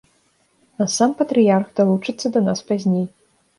А сам патрыярх далучыцца да нас пазней.